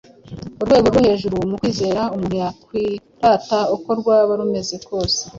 Urwego rwo hejuru mu kwizera umuntu yakwirata uko rwaba rumeze kose